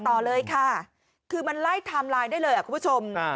ต่อเลยค่ะคือมันไล่ไทม์ไลน์ได้เลยคุณผู้ชม